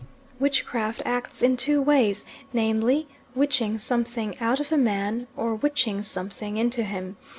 Witchcraft acts in two ways, namely, witching something out of a man, or witching something into him.